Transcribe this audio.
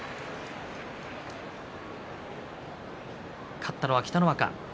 勝ったのは北の若。